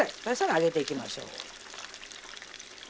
そしたら上げていきましょう。